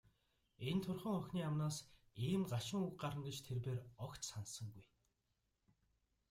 Энэ турьхан охины амнаас ийм гашуун үг гарна гэж тэр бээр огт санасангүй.